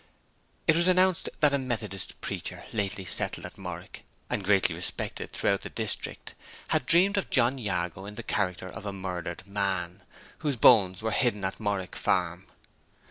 It was announced that a Methodist preacher lately settled at Morwick, and greatly respected throughout the district, had dreamed of John Jago in the character of a murdered man, whose bones were hidden at Morwick Farm.